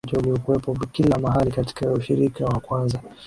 mmoja uliokuwepo kila mahali Katika ushirika wa kwanza